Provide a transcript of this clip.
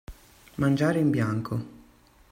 Mangiare in bianco.